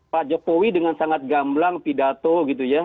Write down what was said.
pak jokowi dengan sangat gamblang pidato gitu ya